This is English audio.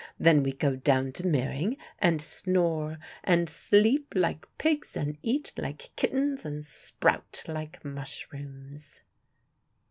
Then we go down to Meering, and snore, and sleep like pigs and eat like kittens, and sprout like mushrooms."